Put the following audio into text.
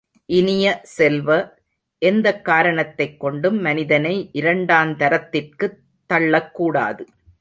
இனிய செல்வ, எந்தக் காரணத்தைக் கொண்டும் மனிதனை இரண்டாந்தரத்திற்குத் தள்ளக்கூடாது.